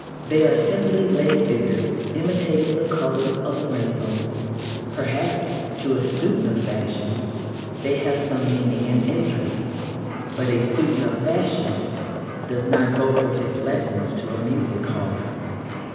They are simply lay figures imitating the colours of the rainbow. Perhaps, to a student of fashion, they have some meaning and interest. But a student of fashion does not go for his lessons to a music hall.